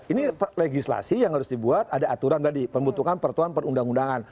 ini legislasi yang harus dibuat ada aturan tadi pembentukan pertuan perundang undangan